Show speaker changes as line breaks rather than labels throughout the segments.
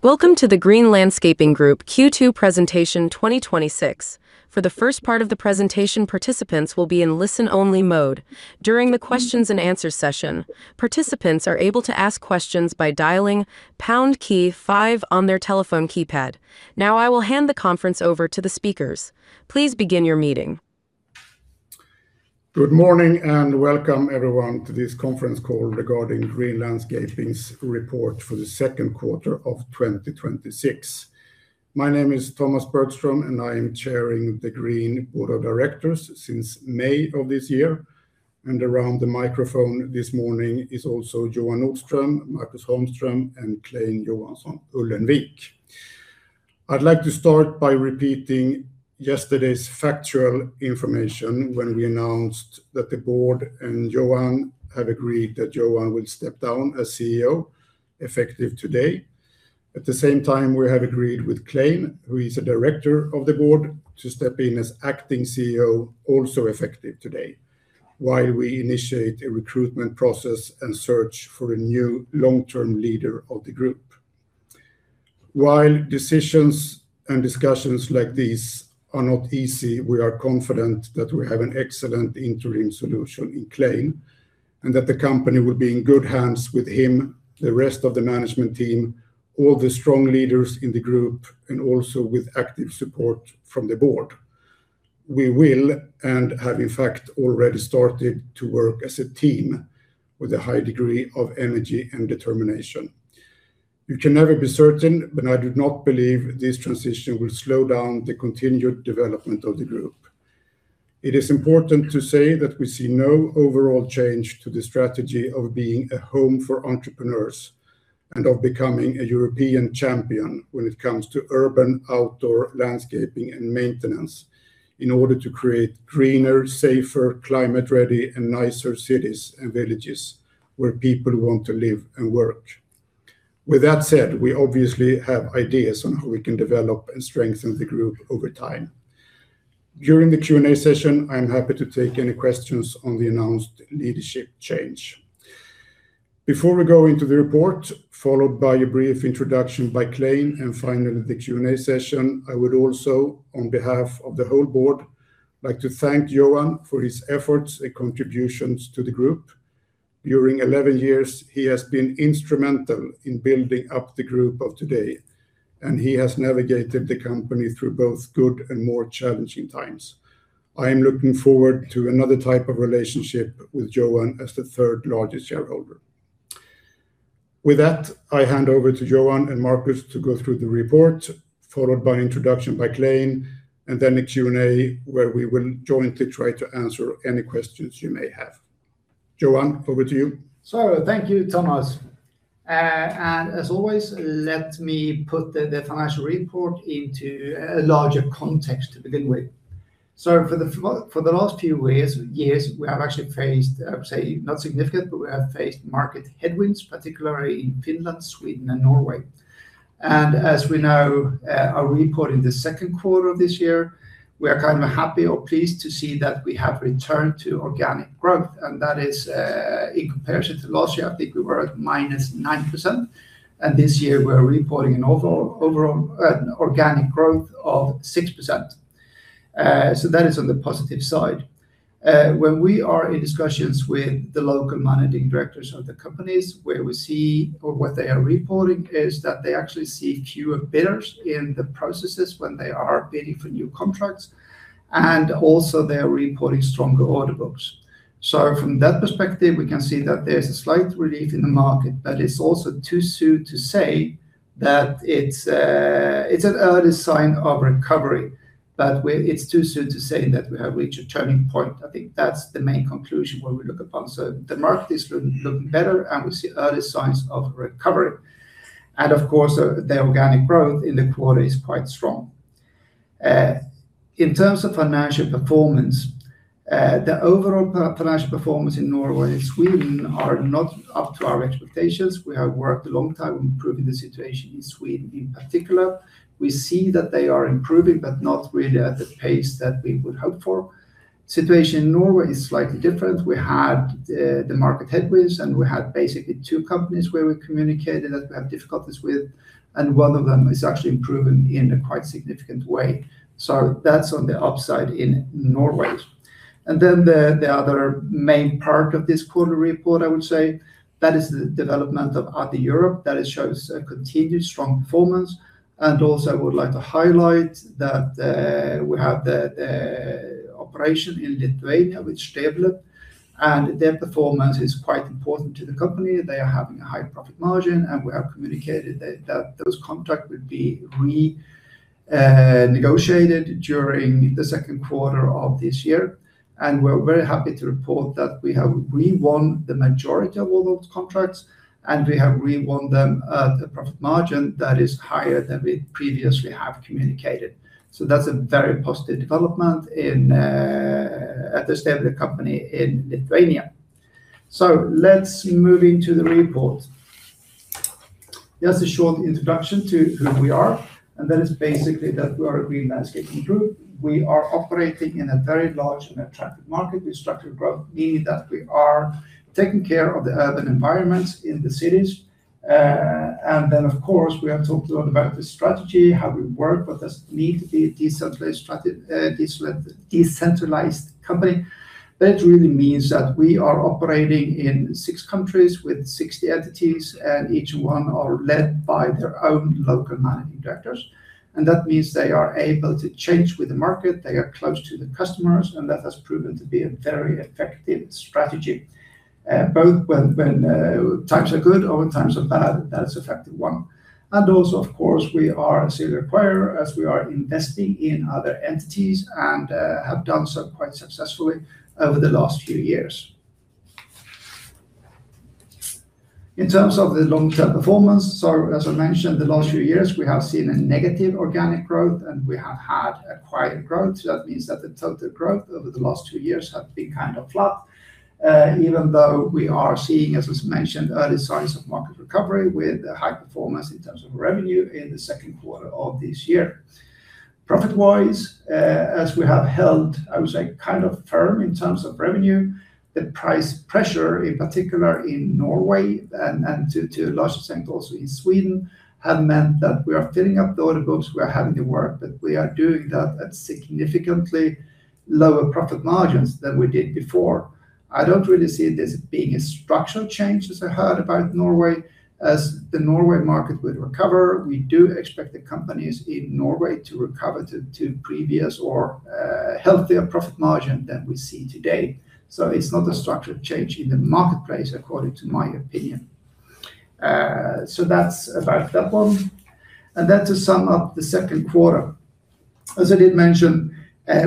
Welcome to the Green Landscaping Group Q2 presentation 2026. For the first part of the presentation, participants will be in listen-only mode. During the questions and answers session, participants are able to ask questions by dialing pound key five on their telephone keypad. Now I will hand the conference over to the speakers. Please begin your meeting.
Good morning and welcome everyone to this conference call regarding Green Landscaping's report for the second quarter of 2026. My name is Tomas Bergström and I am chairing the Green Board of Directors since May of this year. Around the microphone this morning is also Johan Nordström, Marcus Holmström, and Clein Johansson Ullenvik. I'd like to start by repeating yesterday's factual information when we announced that the board and Johan have agreed that Johan will step down as CEO, effective today. At the same time, we have agreed with Clein, who is a Director of the Board, to step in as acting CEO, also effective today, while we initiate a recruitment process and search for a new long-term leader of the group. While decisions and discussions like these are not easy, we are confident that we have an excellent interim solution in Clein and that the company will be in good hands with him, the rest of the management team, all the strong leaders in the group, and also with active support from the board. We will, and have in fact already started to work as a team with a high degree of energy and determination. You can never be certain, but I do not believe this transition will slow down the continued development of the group. It is important to say that we see no overall change to the strategy of being a home for entrepreneurs and of becoming a European champion when it comes to urban outdoor landscaping and maintenance in order to create greener, safer, climate-ready, and nicer cities and villages where people want to live and work. With that said, we obviously have ideas on how we can develop and strengthen the group over time. During the Q&A session, I'm happy to take any questions on the announced leadership change. Before we go into the report, followed by a brief introduction by Clein, and finally the Q&A session, I would also, on behalf of the whole board, like to thank Johan for his efforts and contributions to the group. During 11 years, he has been instrumental in building up the group of today, and he has navigated the company through both good and more challenging times. I am looking forward to another type of relationship with Johan as the third largest shareholder. With that, I hand over to Johan and Marcus to go through the report, followed by introduction by Clein, and then the Q&A, where we will jointly try to answer any questions you may have. Johan, over to you.
Thank you, Tomas. As always, let me put the financial report into a larger context to begin with. For the last few years, we have actually faced, I would say, not significant, but we have faced market headwinds, particularly in Finland, Sweden, and Norway. As we now are reporting the second quarter of this year, we are happy or pleased to see that we have returned to organic growth, and that is in comparison to last year, I think we were at -9%, and this year we're reporting an overall organic growth of 6%. That is on the positive side. When we are in discussions with the local managing directors of the companies where we see or what they are reporting is that they actually see queue of bidders in the processes when they are bidding for new contracts, and also they are reporting stronger order books. From that perspective, we can see that there's a slight relief in the market, but it's also too soon to say that it's an early sign of recovery. It's too soon to say that we have reached a turning point. I think that's the main conclusion when we look upon. The market is looking better, and we see early signs of recovery. Of course, the organic growth in the quarter is quite strong. In terms of financial performance, the overall financial performance in Norway and Sweden are not up to our expectations. We have worked a long time improving the situation in Sweden in particular. We see that they are improving, not really at the pace that we would hope for. Situation in Norway is slightly different. We had the market headwinds, we had basically two companies where we communicated that we have difficulties with, one of them is actually improving in a quite significant way. That's on the upside in Norway. The other main part of this quarter report, I would say, that is the development of Other Europe. That shows a continued strong performance. Also, I would like to highlight that we have the operation in Lithuania, which developed, and their performance is quite important to the company. They are having a high profit margin, and we have communicated that those contracts would be renegotiated during the second quarter of this year. We're very happy to report that we have re-won the majority of all those contracts, and we have re-won them at a profit margin that is higher than we previously have communicated. That's a very positive development at the state of the company in Lithuania. Let's move into the report. Just a short introduction to who we are, and that is basically that we are a Green Landscaping Group. We are operating in a very large and attractive market with structured growth, meaning that we are taking care of the urban environments in the cities. Of course, we have talked a lot about the strategy, how we work, what does it mean to be a decentralized company. That really means that we are operating in six countries with 60 entities, and each one are led by their own local managing directors. That means they are able to change with the market, they are close to the customers, and that has proven to be a very effective strategy, both when times are good or when times are bad, that's effective one. Of course, we are a serial acquirer as we are investing in other entities and have done so quite successfully over the last few years. In terms of the long-term performance, as I mentioned, the last few years we have seen a negative organic growth and we have had acquired growth. That means that the total growth over the last two years have been kind of flat, even though we are seeing, as was mentioned, early signs of market recovery with high performance in terms of revenue in the second quarter of this year. Profit-wise, as we have held, I would say, kind of firm in terms of revenue, the price pressure, in particular in Norway and to a large extent also in Sweden, have meant that we are filling up the order books. We are having to work, but we are doing that at significantly lower profit margins than we did before. I don't really see this being a structural change, as I heard about Norway. As the Norway market will recover, we do expect the companies in Norway to recover to previous or healthier profit margin than we see today. That's not a structural change in the marketplace according to my opinion. That's about that one. To sum up the second quarter, as I did mention,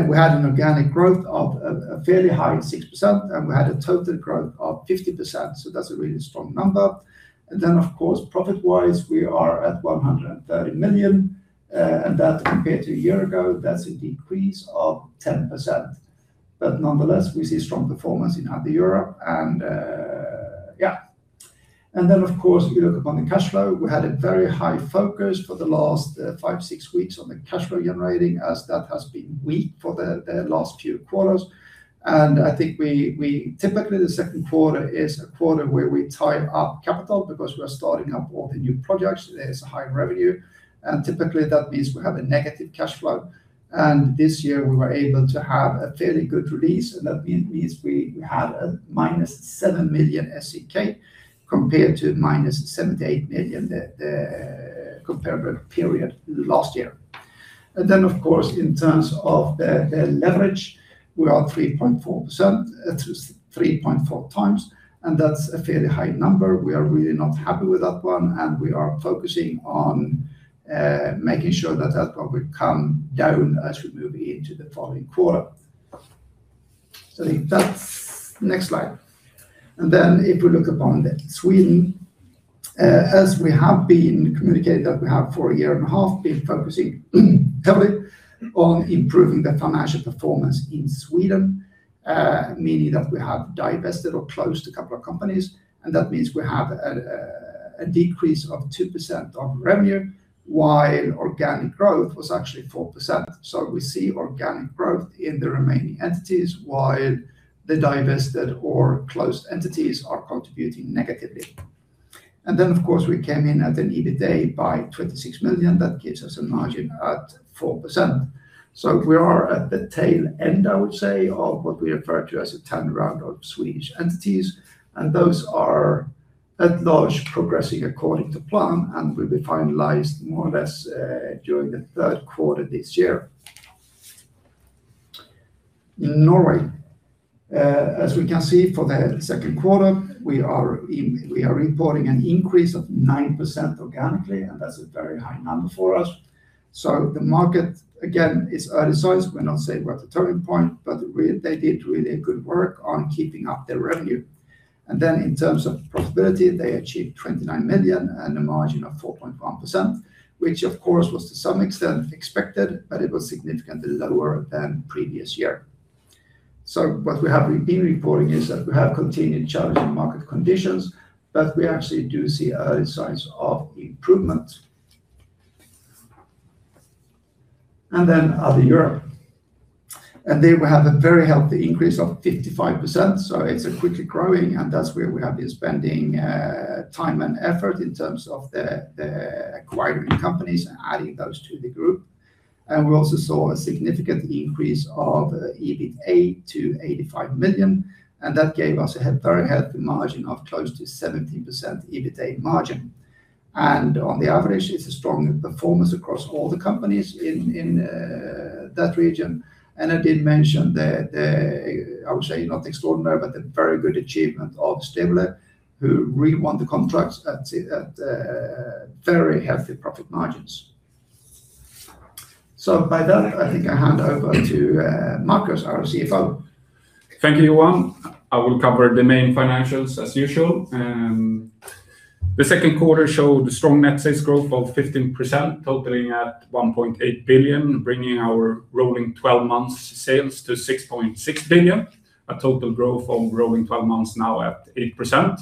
we had an organic growth of a fairly high 6%, and we had a total growth of 50%. That's a really strong number. Of course, profit-wise, we are at 130 million, and that compared to a year ago, that's a decrease of 10%. Nonetheless, we see strong performance in Other Europe. Of course, if you look upon the cash flow, we had a very high focus for the last five, six weeks on the cash flow generating as that has been weak for the last few quarters. I think typically the second quarter is a quarter where we tie up capital because we are starting up all the new projects. There's a high revenue, and typically that means we have a negative cash flow. This year we were able to have a fairly good release, and that means we had a -7 million SEK compared to -78 million the comparable period last year. Of course, in terms of the leverage, we are 3.4x, and that's a fairly high number. We are really not happy with that one, and we are focusing on making sure that that one will come down as we move into the following quarter. I think that's next slide. If we look upon Sweden, as we have been communicating that we have for a year and a half been focusing heavily on improving the financial performance in Sweden, meaning that we have divested or closed a couple of companies, and that means we have a decrease of 2% of revenue, while organic growth was actually 4%. We see organic growth in the remaining entities while the divested or closed entities are contributing negatively. Of course, we came in at an EBITA by 26 million. That gives us a margin at 4%. We are at the tail end, I would say, of what we refer to as a turnaround of Swedish entities, and those are at large progressing according to plan and will be finalized more or less during the third quarter this year. In Norway, as we can see for the second quarter, we are reporting an increase of 9% organically, and that's a very high number for us. The market, again, is early signs. We're not saying we're at the turning point, but they did really good work on keeping up their revenue. In terms of profitability, they achieved 29 million and a margin of 4.1%, which of course was to some extent expected, but it was significantly lower than previous year. What we have been reporting is that we have continued challenging market conditions, but we actually do see early signs of improvement. Other Europe. They will have a very healthy increase of 55%, so it's quickly growing and that's where we have been spending time and effort in terms of the acquiring companies and adding those to the group. We also saw a significant increase of EBITA to 85 million, and that gave us a very healthy margin of close to 17% EBITA margin. On the average, it's a strong performance across all the companies in that region. I did mention the, I would say not extraordinary, but the very good achievement of Stebulė, who re-won the contracts at very healthy profit margins. With that, I think I'll hand over to Marcus, our CFO.
Thank you, Johan. I will cover the main financials as usual. The second quarter showed a strong net sales growth of 15%, totaling at 1.8 billion, bringing our rolling 12 months sales to 6.6 billion, a total growth on rolling 12 months now at 8%.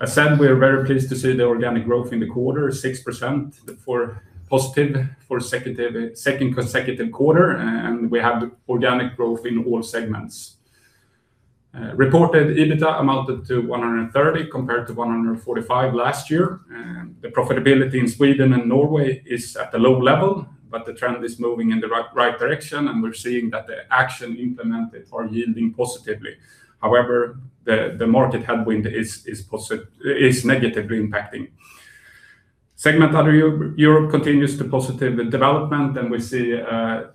As said, we are very pleased to see the organic growth in the quarter, 6% for positive for second consecutive quarter, and we have organic growth in all segments. Reported EBITA amounted to 130 million compared to 145 million last year. The profitability in Sweden and Norway is at a low level, but the trend is moving in the right direction, and we're seeing that the action implemented are yielding positively. However, the market headwind is negatively impacting. Segment Other Europe continues the positive development, and we see a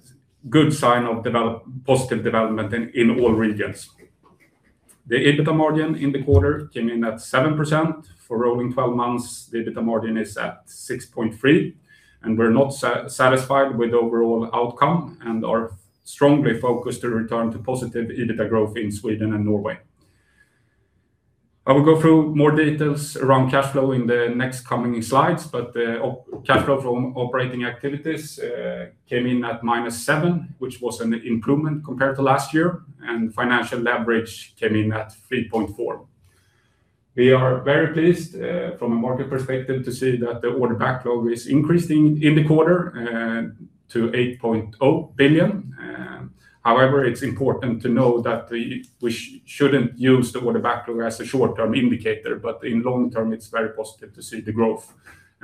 good sign of positive development in all regions. The EBITA margin in the quarter came in at 7%. For rolling 12 months, the EBITA margin is at 6.3%, and we're not satisfied with the overall outcome and are strongly focused to return to positive EBITA growth in Sweden and Norway. I will go through more details around cash flow in the next coming slides, but the cash flow from operating activities came in at -7 million, which was an improvement compared to last year, and financial leverage came in at 3.4x. We are very pleased from a market perspective to see that the order backlog is increasing in the quarter to 8.0 billion. However, it's important to know that we shouldn't use the order backlog as a short-term indicator, but in the long term, it's very positive to see the growth.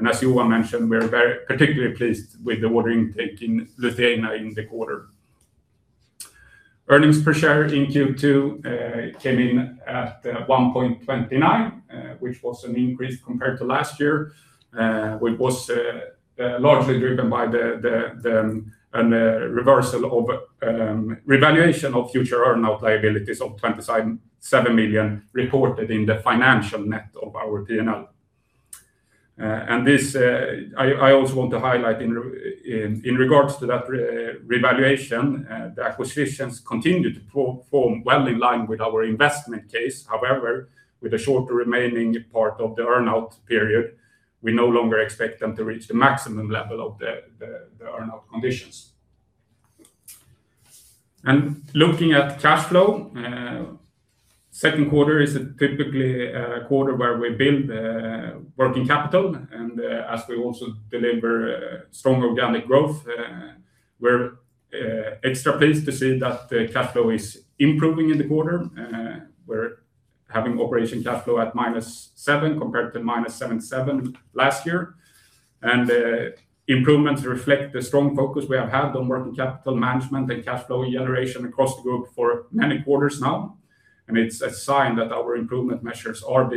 As Johan mentioned, we are particularly pleased with the order intake in Lithuania in the quarter. Earnings per share in Q2 came in at 1.29, which was an increase compared to last year, which was largely driven by the revaluation of future earnout liabilities of 27 million reported in the financial net of our P&L. I also want to highlight in regards to that revaluation, the acquisitions continued to perform well in line with our investment case. However, with the shorter remaining part of the earn-out period, we no longer expect them to reach the maximum level of the earn-out conditions. Looking at cash flow, second quarter is typically a quarter where we build working capital. As we also deliver strong organic growth, we're extra pleased to see that the cash flow is improving in the quarter. We're having operation cash flow at -7 million compared to -7.7 million last year. The improvements reflect the strong focus we have had on working capital management and cash flow generation across the group for many quarters now, and it's a sign that our improvement measures are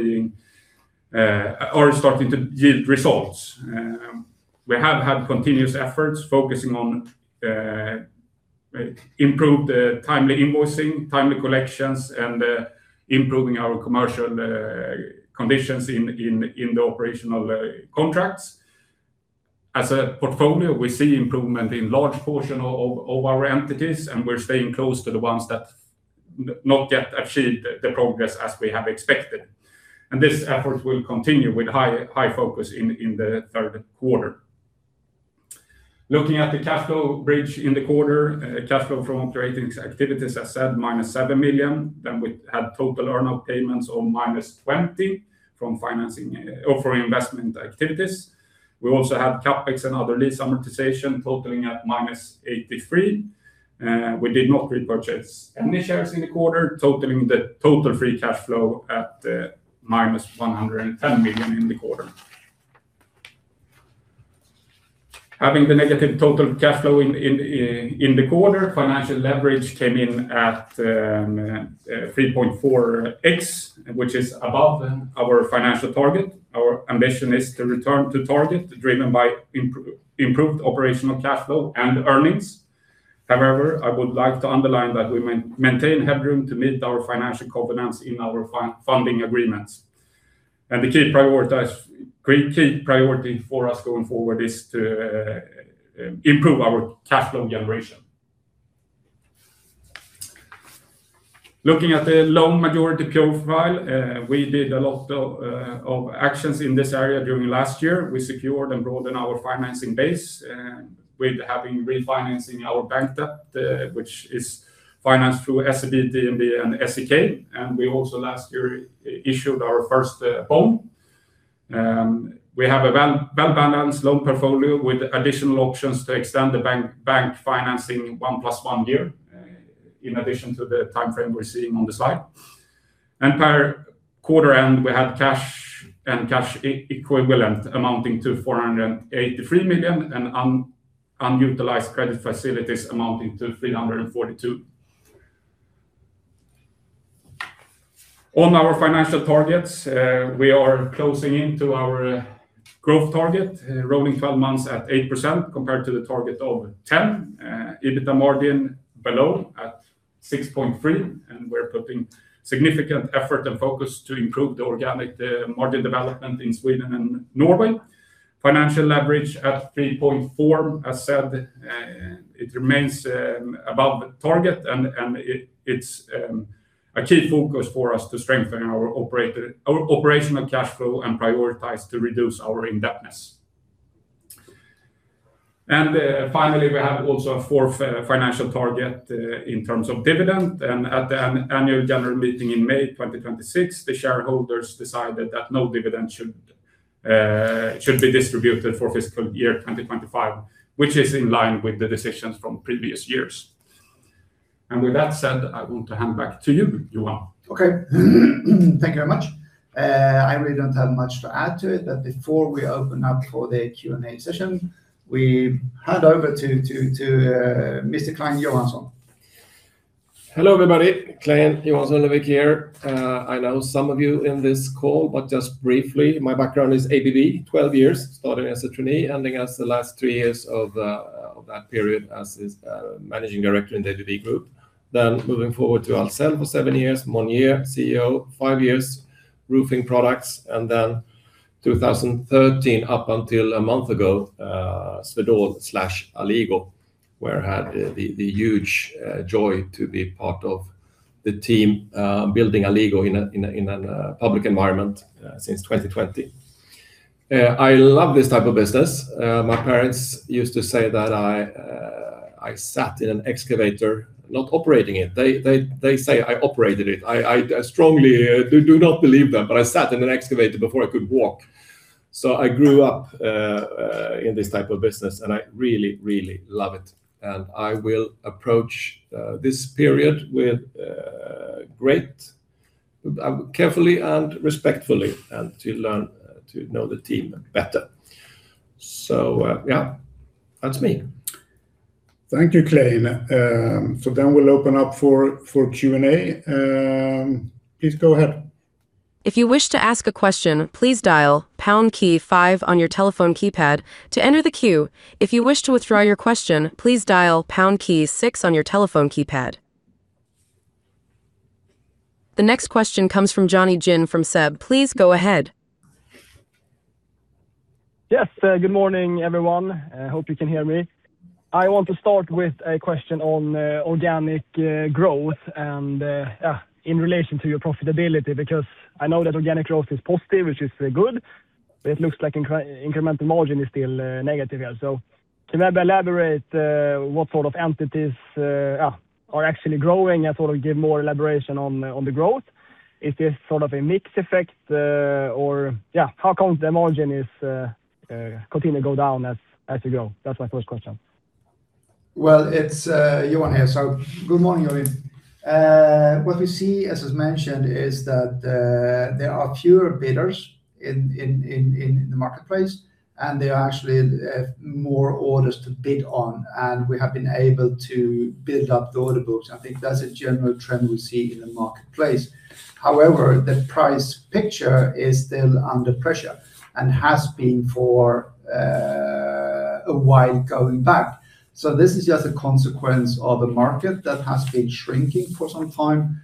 starting to yield results. We have had continuous efforts focusing on improve the timely invoicing, timely collections, and improving our commercial conditions in the operational contracts. As a portfolio, we see improvement in large portion of our entities, and we're staying close to the ones that not yet achieved the progress as we have expected. This effort will continue with high focus in the third quarter. Looking at the cash flow bridge in the quarter, cash flow from operating activities, as I said, -7 million. We had total earn-out payments of -20 million for investment activities. We also had CapEx and other lease amortization totaling at -83 million. We did not repurchase any shares in the quarter, totaling the total free cash flow at -110 million in the quarter. Having the negative total cash flow in the quarter, financial leverage came in at 3.4x, which is above our financial target. Our ambition is to return to target driven by improved operational cash flow and earnings. However, I would like to underline that we maintain headroom to meet our financial covenants in our funding agreements. The key priority for us going forward is to improve our cash flow generation. Looking at the loan maturity profile, we did a lot of actions in this area during last year. We secured and broadened our financing base with having refinancing our bank debt, which is financed through SEB, DNB, and SEK. We also last year issued our first bond. We have a well-balanced loan portfolio with additional options to extend the bank financing one plus one year, in addition to the timeframe we're seeing on the slide. Per quarter end, we had cash and cash equivalents amounting to 483 million and unutilized credit facilities amounting to 342 million. On our financial targets, we are closing in to our growth target, rolling 12 months at 8% compared to the target of 10%. EBITDA margin below at 6.3%, and we're putting significant effort and focus to improve the organic margin development in Sweden and Norway. Financial leverage at 3.4x. As said, it remains above target and it's a key focus for us to strengthen our operational cash flow and prioritize to reduce our indebtedness. Finally, we have also a fourth financial target in terms of dividend. At the annual general meeting in May 2026, the shareholders decided that no dividend should be distributed for fiscal year 2025, which is in line with the decisions from previous years. With that said, I want to hand back to you, Johan.
Okay. Thank you very much. I really don't have much to add to it. Before we open up for the Q&A session, we hand over to Mr. Clein Johansson.
Hello, everybody. Clein Johansson Ullenvik here. I know some of you in this call. Just briefly, my background is ABB, 12 years, starting as a trainee, ending as the last three years of that period as Managing Director in the ABB Group. Moving forward to Ahlsell for seven years, Monier, CEO, five years, roofing products. 2013 up until a month ago, Swedol/Alligo, where I had the huge joy to be part of the team building Alligo in a public environment since 2020. I love this type of business. My parents used to say that I sat in an excavator, not operating it. They say I operated it. I strongly do not believe them, but I sat in an excavator before I could walk. I grew up in this type of business, I really, really love it. I will approach this period carefully and respectfully, and to learn to know the team better. Yeah, that's me.
Thank you, Clein. We'll open up for Q&A. Please go ahead.
If you wish to ask a question, please dial number five on your telephone keypad to enter the queue. If you wish to withdraw your question, please dial number six on your telephone keypad. The next question comes from Jonny Jin from SEB. Please go ahead.
Yes, good morning, everyone. Hope you can hear me. I want to start with a question on organic growth and in relation to your profitability, because I know that organic growth is positive, which is good, but it looks like incremental margin is still negative here. Can you elaborate what sort of entities are actually growing and give more elaboration on the growth? Is this sort of a mixed effect, or how comes the margin is continue to go down as you go? That's my first question.
Well, it's Johan here. Good morning, Jonny. What we see, as was mentioned, is that there are fewer bidders in the marketplace, and there are actually more orders to bid on, and we have been able to build up the order books. I think that's a general trend we see in the marketplace. However, the price picture is still under pressure and has been for a while going back. This is just a consequence of a market that has been shrinking for some time,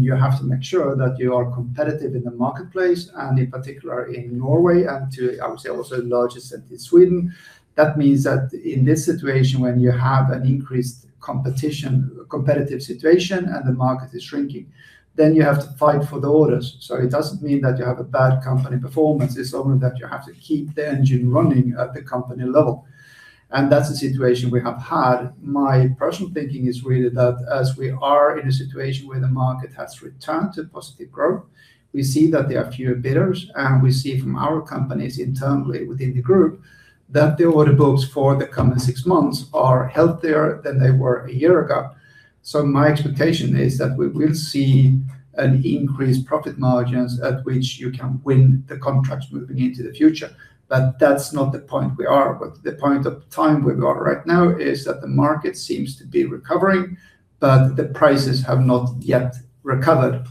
you have to make sure that you are competitive in the marketplace, and in particular in Norway and to, I would say, also in large extent in Sweden. That means that in this situation, when you have an increased competitive situation and the market is shrinking, you have to fight for the orders. It doesn't mean that you have a bad company performance, it's only that you have to keep the engine running at the company level. That's the situation we have had. My personal thinking is really that as we are in a situation where the market has returned to positive growth, we see that there are fewer bidders, and we see from our companies internally within the group that the order books for the coming six months are healthier than they were a year ago. My expectation is that we will see an increased profit margins at which you can win the contracts moving into the future. That's not the point we are. The point of time we are right now is that the market seems to be recovering, but the prices have not yet recovered.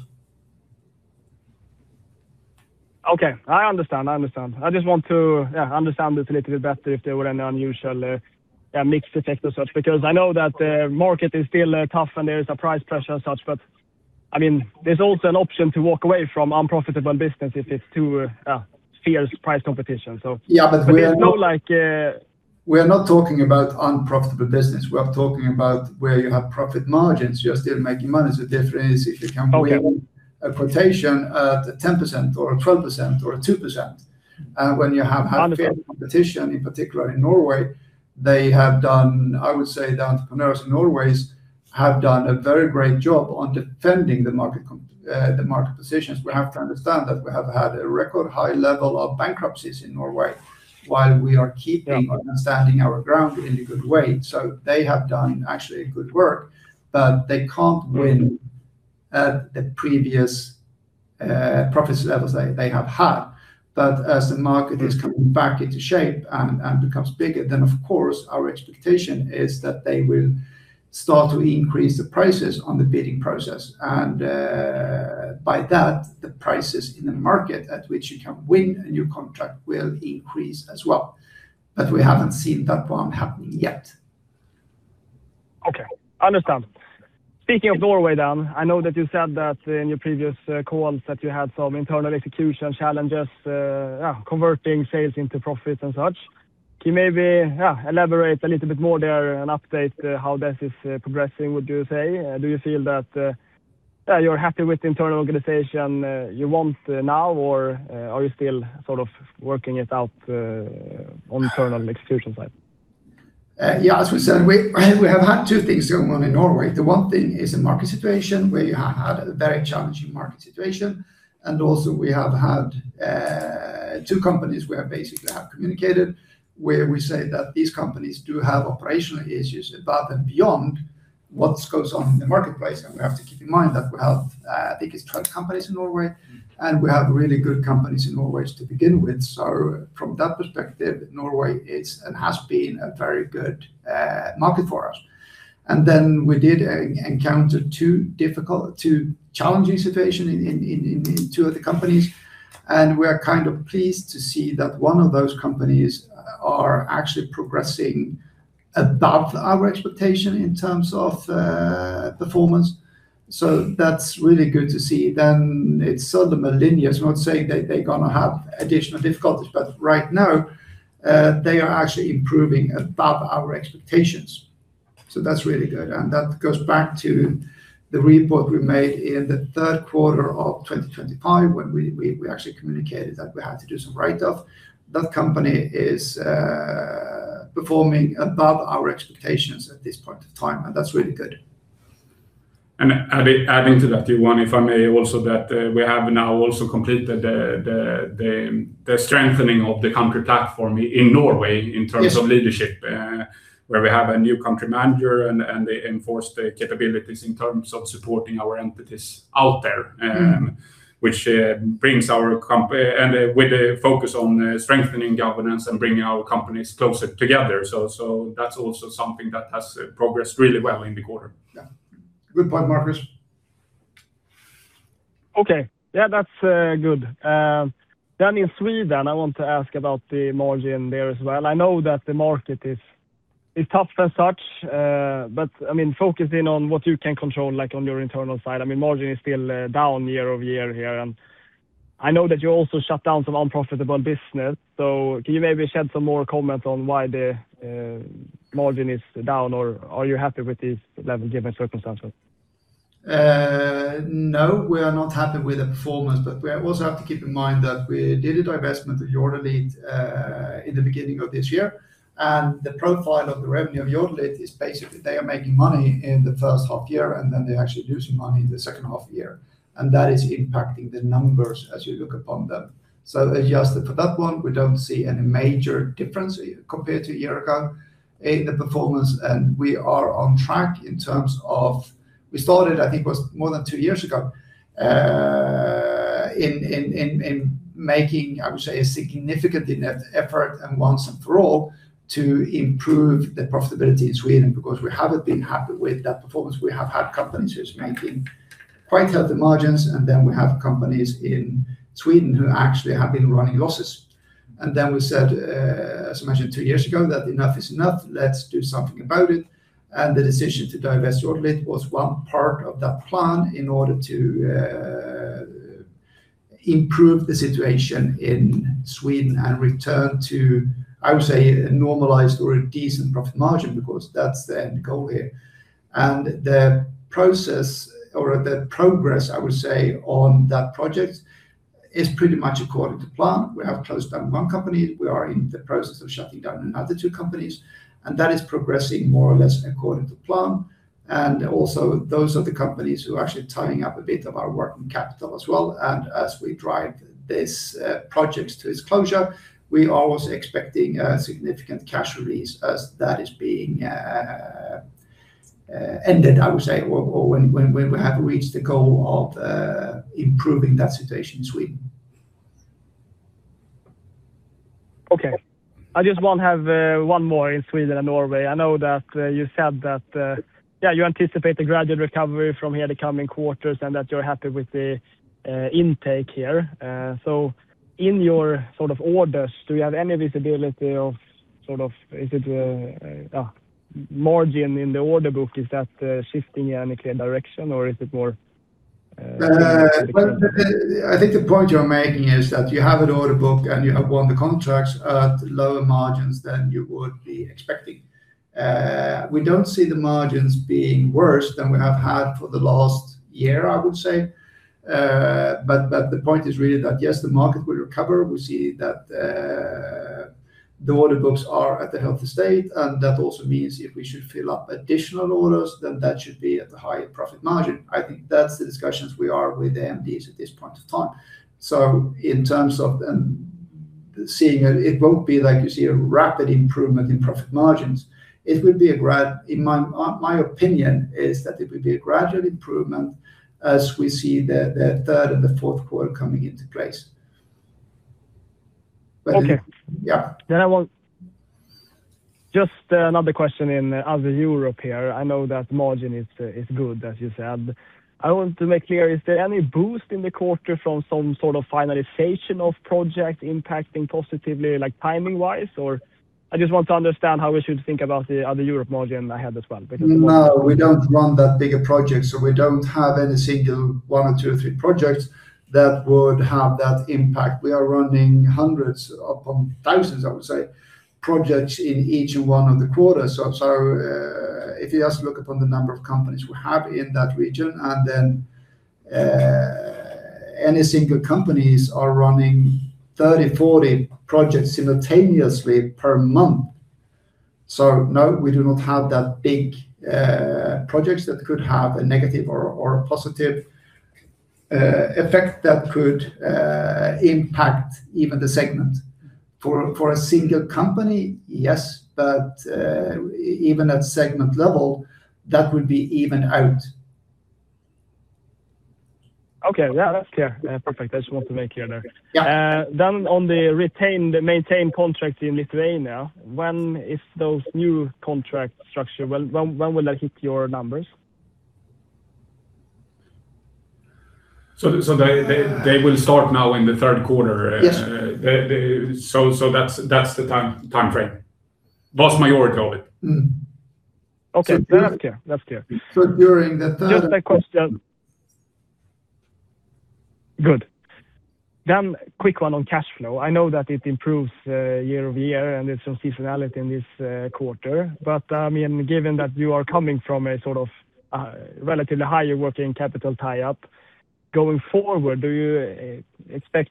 Okay. I understand. I just want to understand this a little bit better if there were any unusual mixed effect as such, because I know that the market is still tough and there is a price pressure and such, but there's also an option to walk away from unprofitable business if it's too fierce price competition.
Yeah, we are-
There's no like-
We are not talking about unprofitable business. We are talking about where you have profit margins, you're still making money. The difference is if you can win-
Okay.
A quotation at 10% or 12% or 2%. When you have had-
Understood.
Fair competition, in particular in Norway, I would say the entrepreneurs in Norway have done a very great job on defending the market positions. We have to understand that we have had a record high level of bankruptcies in Norway while we are keeping-
Yeah.
And standing our ground in a good way. They have done actually a good work, but they can't win at the previous profit levels they have had. As the market is coming back into shape and becomes bigger, of course our expectation is that they will start to increase the prices on the bidding process. By that, the prices in the market at which you can win a new contract will increase as well. We haven't seen that one happening yet.
Okay. Understand. Speaking of Norway, I know that you said that in your previous calls that you had some internal execution challenges, converting sales into profits and such. Can you maybe elaborate a little bit more there and update how this is progressing, would you say? Do you feel that you're happy with the internal organization you want now, or are you still sort of working it out on internal execution side?
Yeah, as we said, we have had two things going on in Norway. The one thing is a market situation where you have had a very challenging market situation. We have had two companies where basically have communicated, where we say that these companies do have operational issues above and beyond what goes on in the marketplace, and we have to keep in mind that we have the biggest truck companies in Norway, and we have really good companies in Norway to begin with. From that perspective, Norway is and has been a very good market for us. We did encounter two challenging situations in two of the companies, and we are pleased to see that one of those companies are actually progressing above our expectation in terms of performance. That's really good to see. It's sort of linear. It's not saying that they're going to have additional difficulties, but right now, they are actually improving above our expectations, so that's really good. That goes back to the report we made in the third quarter of 2025 when we actually communicated that we had to do some write off. That company is performing above our expectations at this point in time, and that's really good.
Adding to that, Johan, if I may also, that we have now also completed the strengthening of the country platform in Norway in terms of leadership, where we have a new country manager, and they enforce the capabilities in terms of supporting our entities out there, with a focus on strengthening governance and bringing our companies closer together. That's also something that has progressed really well in the quarter.
Yeah. Good point, Marcus.
Okay. Yeah, that's good. In Sweden, I want to ask about the margin there as well. I know that the market is tough as such. Focusing on what you can control on your internal side, margin is still down year-over-year here. I know that you also shut down some unprofitable business. Can you maybe shed some more comment on why the margin is down, or are you happy with this level, given the circumstances?
No, we are not happy with the performance, but we also have to keep in mind that we did a divestment of Jordelit at the beginning of this year, and the profile of the revenue of Jordelit is basically they are making money in the first half year, and then they're actually losing money in the second half year, and that is impacting the numbers as you look upon them. Adjusted for that one, we don't see any major difference compared to a year ago in the performance. We are on track in terms of we started, I think it was more than two years ago, in making, I would say, a significant effort and once and for all to improve the profitability in Sweden, because we haven't been happy with that performance. We have had companies just making quite healthy margins, and then we have companies in Sweden who actually have been running losses. We said, as I mentioned two years ago, that enough is enough, let's do something about it, and the decision to divest Jordelit was one part of that plan in order to improve the situation in Sweden and return to, I would say, a normalized or a decent profit margin, because that's the end goal here. The process or the progress, I would say, on that project is pretty much according to plan. We have closed down one company. We are in the process of shutting down another two companies, and that is progressing more or less according to plan. Also those are the companies who are actually tying up a bit of our working capital as well. As we drive this project to its closure, we are also expecting a significant cash release as that is being ended, I would say, or when we have reached the goal of improving that situation in Sweden.
Okay. I just have one more in Sweden and Norway. I know that you said that you anticipate a gradual recovery from here the coming quarters and that you're happy with the intake here. In your orders, do you have any visibility of, is it a margin in the order book? Is that shifting in any clear direction?
The point you're making is that you have an order book, and you have won the contracts at lower margins than you would be expecting. We don't see the margins being worse than we have had for the last year, I would say. The point is really that yes, the market will recover. We see that the order books are at a healthy state, and that also means if we should fill up additional orders, then that should be at the higher profit margin. I think that's the discussions we are with the MDs at this point in time. In terms of then seeing it won't be like you see a rapid improvement in profit margins. My opinion is that it will be a gradual improvement as we see the third and the fourth quarter coming into place.
Okay.
Yeah.
I want just another question in Other Europe here. I know that margin is good, as you said. I want to make clear, is there any boost in the quarter from some sort of finalization of project impacting positively, like timing-wise? I just want to understand how we should think about the Other Europe margin ahead as well, because
No, we don't run that big a project, so we don't have any single one or two or three projects that would have that impact. We are running hundreds upon thousands, I would say, projects in each one of the quarters. If you just look upon the number of companies we have in that region, and then any single companies are running 30, 40 projects simultaneously per month. No, we do not have that big projects that could have a negative or a positive effect that could impact even the segment. For a single company, yes, but even at segment level, that would be even out.
That's clear. Perfect. I just want to make clear there.
Yeah.
On the maintain contract in Lithuania, when is those new contract structure? When will that hit your numbers?
They will start now in the third quarter.
Yes.
That's the timeframe. Vast majority of it.
Okay. That's clear.
During the third-
Just a question. Good. Quick one on cash flow. I know that it improves year-over-year, and there's some seasonality in this quarter. Given that you are coming from a relatively higher working capital tie-up, going forward, do you expect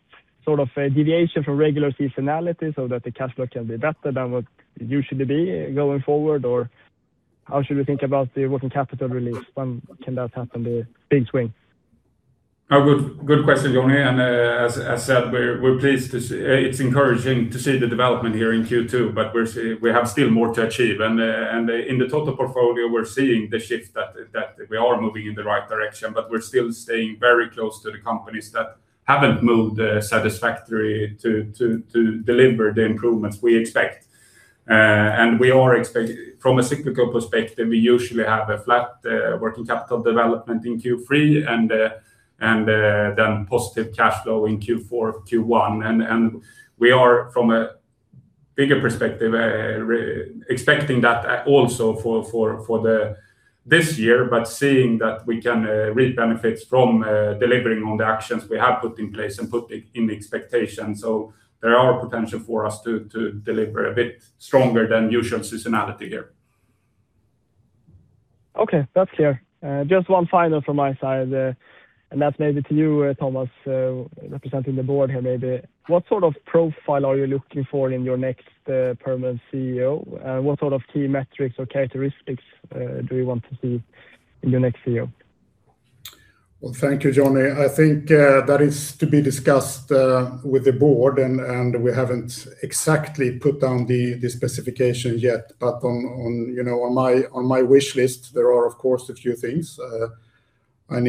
a deviation from regular seasonality so that the cash flow can be better than what it usually be going forward? How should we think about the working capital release? When can that happen, the big swing?
Good question, Jonny. As I said, we're pleased to see It's encouraging to see the development here in Q2, but we have still more to achieve. In the total portfolio, we're seeing the shift that we are moving in the right direction, but we're still staying very close to the companies that haven't moved satisfactory to deliver the improvements we expect. From a cyclical perspective, we usually have a flat working capital development in Q3 and positive cash flow in Q4, Q1. We are, from a bigger perspective, expecting that also for this year, but seeing that we can reap benefits from delivering on the actions we have put in place and put in the expectation. There are potential for us to deliver a bit stronger than usual seasonality here.
That's clear. Just one final from my side, that's maybe to you, Tomas, representing the board here, maybe. What sort of profile are you looking for in your next permanent CEO? What sort of key metrics or characteristics do you want to see in your next CEO?
Well, thank you, Jonny. I think that is to be discussed with the board, we haven't exactly put down the specification yet. On my wishlist, there are, of course, a few things. I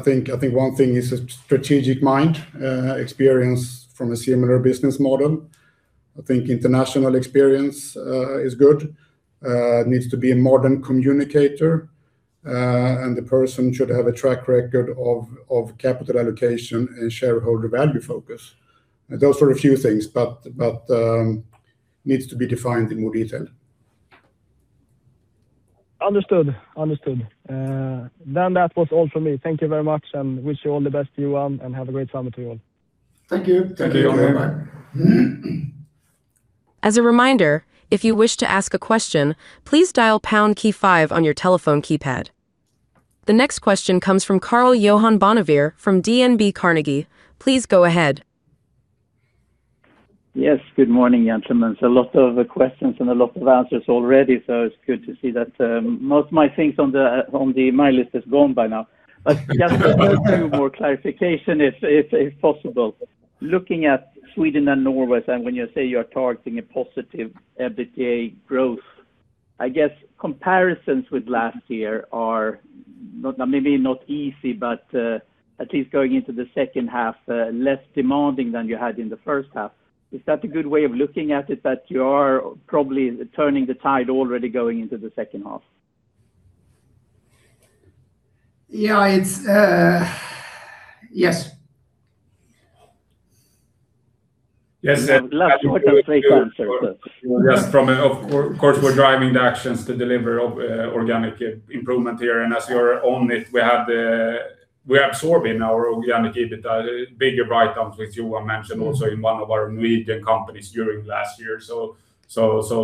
think one thing is a strategic mind, experience from a similar business model. I think international experience is good. Needs to be a modern communicator, the person should have a track record of capital allocation and shareholder value focus. Those are a few things, but needs to be defined in more detail.
Understood. That was all for me. Thank you very much, wish you all the best, you all, have a great summer to you all.
Thank you.
Thank you.
Thank you.
As a reminder, if you wish to ask a question, please dial pound key five on your telephone keypad. The next question comes from Karl-Johan Bonnevier from DNB Carnegie. Please go ahead.
Yes, good morning, gentlemen. A lot of questions and a lot of answers already, so it is good to see that most of my things on my list is gone by now. Just to go through more clarification if possible. Looking at Sweden and Norway, and when you say you are targeting a positive EBITA growth, I guess comparisons with last year are maybe not easy, but at least going into the second half, less demanding than you had in the first half. Is that a good way of looking at it, that you are probably turning the tide already going into the second half?
Yeah. Yes.
That was a great answer.
We're driving the actions to deliver organic improvement here, and as you are on it, we're absorbing our organic EBITA, bigger write-downs, which Johan mentioned also in one of our meeting companies during last year.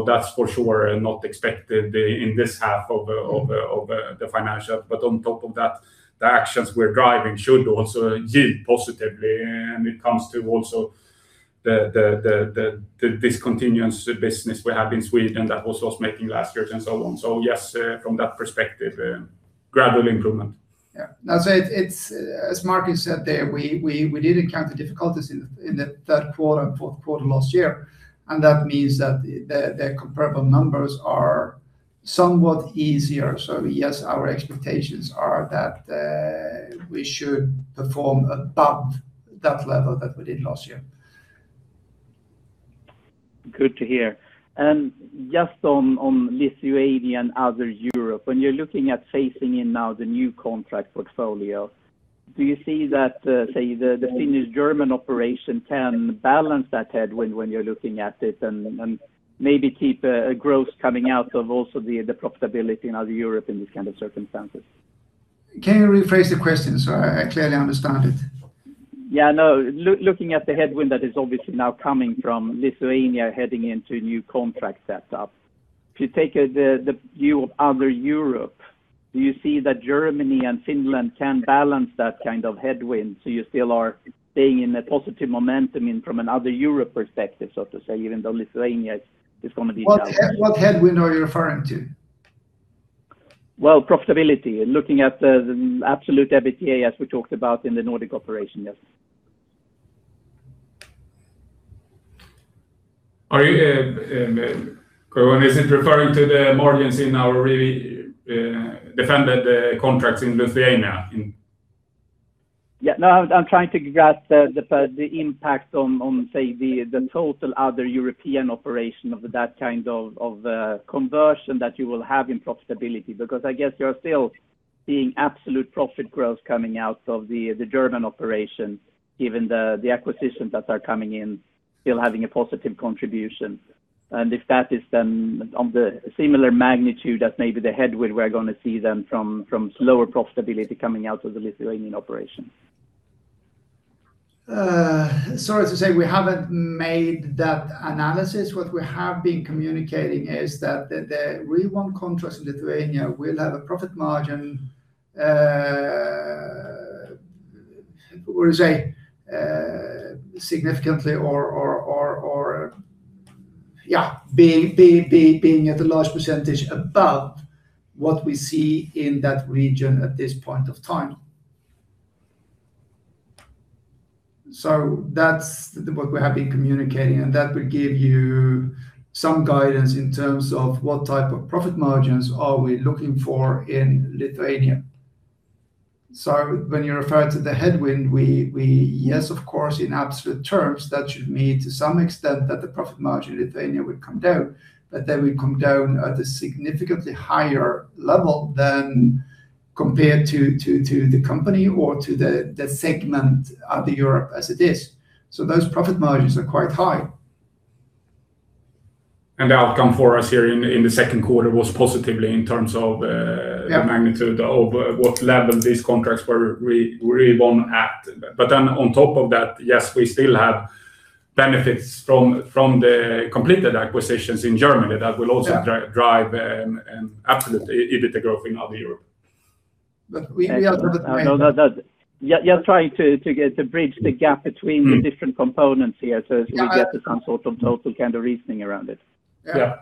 That's for sure not expected in this half of the financial. On top of that, the actions we're driving should also yield positively, and it comes to also the discontinuance business we have in Sweden that also was making last year and so on. Yes, from that perspective, gradual improvement.
As Marcus said there, we did encounter difficulties in the third quarter and fourth quarter last year, and that means that the comparable numbers are somewhat easier. Yes, our expectations are that we should perform above that level that we did last year.
Good to hear. Just on Lithuanian, Other Europe, when you're looking at phasing in now the new contract portfolio, do you see that, say, the Finke German operation can balance that headwind when you're looking at it and maybe keep a growth coming out of also the profitability in Other Europe in this kind of circumstances?
Can you rephrase the question so I clearly understand it?
Yeah, no. Looking at the headwind that is obviously now coming from Lithuania heading into new contract setup. If you take the view of Other Europe, do you see that Germany and Finland can balance that kind of headwind? You still are staying in a positive momentum in from an Other Europe perspective, so to say, even though Lithuania is going to be.
What headwind are you referring to?
Well, profitability and looking at the absolute EBITA as we talked about in the Nordic operation. Yes.
Karl-Johan, is it referring to the margins in our really defended contracts in Lithuania?
Yeah. No, I'm trying to grasp the impact on, say, the total Other European operation of that kind of conversion that you will have in profitability, because I guess you're still seeing absolute profit growth coming out of the German operation, given the acquisitions that are coming in, still having a positive contribution. If that is then on the similar magnitude as maybe the headwind we're going to see then from slower profitability coming out of the Lithuanian operation.
Sorry to say we haven't made that analysis. What we have been communicating is that the re-won contracts in Lithuania will have a profit margin, what would I say, significantly or being at a large percentage above what we see in that region at this point of time. That's what we have been communicating, and that will give you some guidance in terms of what type of profit margins are we looking for in Lithuania. When you refer to the headwind, yes, of course, in absolute terms, that should mean to some extent that the profit margin in Lithuania would come down, but they will come down at a significantly higher level than compared to the company or to the segment of Other Europe as it is. Those profit margins are quite high.
The outcome for us here in the second quarter was positively in terms of-
Yeah.
The magnitude of what level these contracts were really re-won at. On top of that, yes, we still have benefits from the completed acquisitions in Germany that will also-
Yeah.
Drive and absolutely EBITA growth in Europe.
We-
No, just trying to bridge the gap between the different components here so as we get to some sort of total reasoning around it.
Yeah.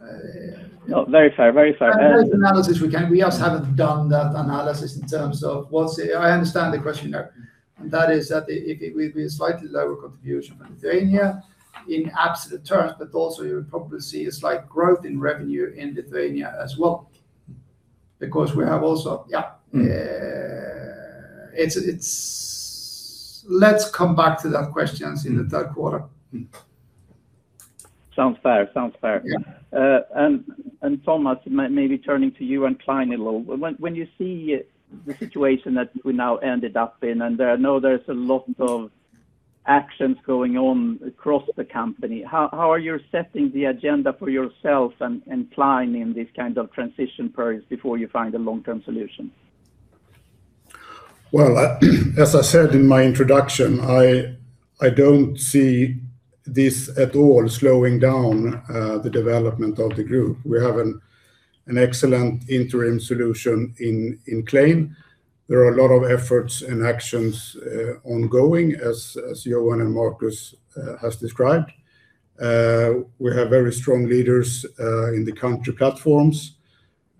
Yeah.
No, very fair.
That analysis we can, just haven't done that analysis in terms of I understand the question there, that is that it will be a slightly lower contribution from Lithuania in absolute terms, but also you would probably see a slight growth in revenue in Lithuania as well because we have also Yeah. Let's come back to that question in the third quarter.
Sounds fair.
Yeah.
Tomas, maybe turning to you and Clein a little. When you see the situation that we now ended up in, I know there's a lot of actions going on across the company, how are you setting the agenda for yourself and Clein in this kind of transition period before you find a long-term solution?
As I said in my introduction, I don't see this at all slowing down the development of the group. We have an excellent interim solution in Clein. There are a lot of efforts and actions ongoing as Johan and Marcus has described. We have very strong leaders in the country platforms.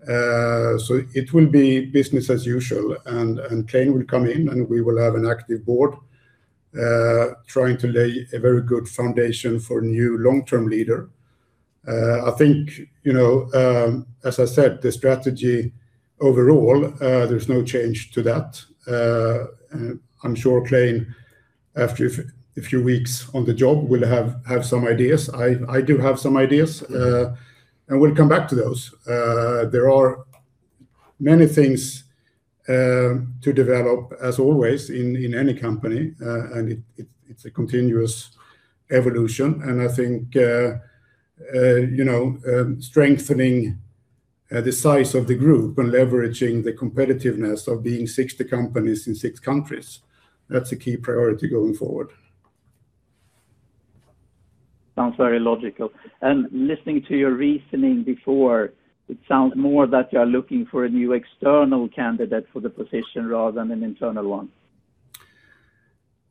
It will be business as usual, and Clein will come in, and we will have an active board trying to lay a very good foundation for a new long-term leader. I think, as I said, the strategy overall there's no change to that. I'm sure Clein, after a few weeks on the job, will have some ideas. I do have some ideas, and we'll come back to those. There are many things to develop, as always, in any company. It's a continuous evolution, and I think strengthening the size of the group and leveraging the competitiveness of being 60 companies in six countries, that's a key priority going forward.
Sounds very logical. Listening to your reasoning before, it sounds more that you're looking for a new external candidate for the position rather than an internal one.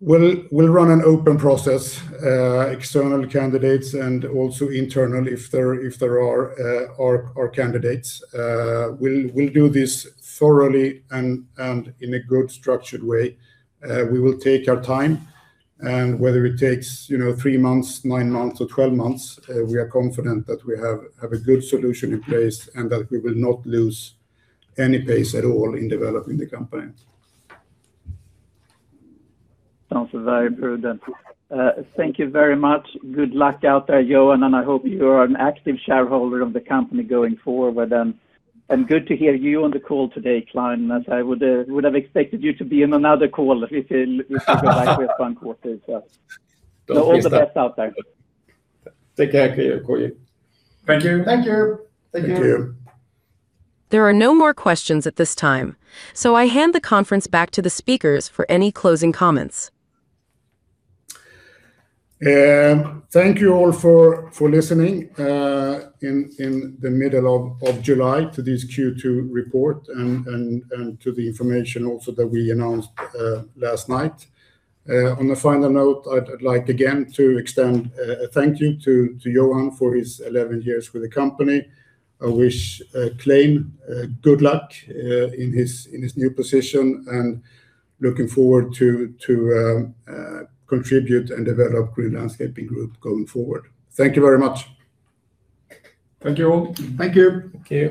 We'll run an open process, external candidates and also internal if there are candidates. We'll do this thoroughly and in a good structured way. We will take our time, and whether it takes three months, nine months, or 12 months, we are confident that we have a good solution in place and that we will not lose any pace at all in developing the company.
Sounds very prudent. Thank you very much. Good luck out there, Johan, I hope you are an active shareholder of the company going forward. Good to hear you on the call today, Clein, as I would have expected you to be in another call if you go back with Bank of America. All the best out there.
Take care, Karl-Johan.
Thank you.
Thank you.
Thank you.
Thank you.
There are no more questions at this time. I hand the conference back to the speakers for any closing comments.
Thank you all for listening in the middle of July to this Q2 report and to the information also that we announced last night. On a final note, I'd like again to extend a thank you to Johan for his 11 years with the company. I wish Clein good luck in his new position and looking forward to contribute and develop Green Landscaping Group going forward. Thank you very much.
Thank you all.
Thank you.
Thank you.